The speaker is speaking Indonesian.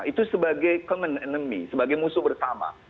itu sebagai common enemy sebagai musuh bersama